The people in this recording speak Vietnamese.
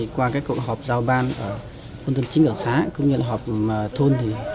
qua các cuộc họp giao ban của dân chính ở xã cũng như họp thôn